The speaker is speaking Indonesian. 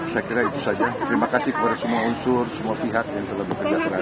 saya kira itu saja terima kasih kepada semua unsur semua pihak yang telah bekerjasama